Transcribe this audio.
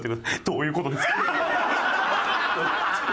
どういう事ですか？